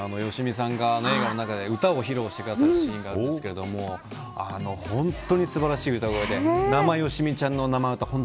映画の中で歌を披露するシーンがあるんですけど本当に素晴らしい歌声で生よしみちゃんの歌声